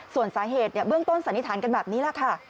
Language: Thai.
ส่วนสาเหตุเบื้องต้นสันนิษฐานกันแบบนี้แหละค่ะ